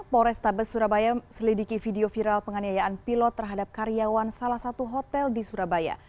polrestabes surabaya selidiki video viral penganiayaan pilot terhadap karyawan salah satu hotel di surabaya